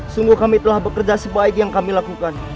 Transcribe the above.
sungguh kami telah bekerja sebaik yang kami lakukan